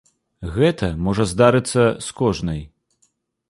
Гэта можа здарыцца з кожнай.